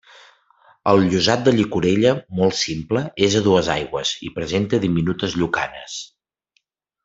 El llosat de llicorella, molt simple, és a dues aigües i presenta diminutes llucanes.